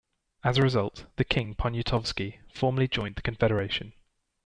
As a result, the King, Poniatowski, formally joined the Confederation.